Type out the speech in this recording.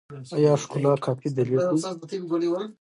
ایا ښکلا کافي دلیل دی؟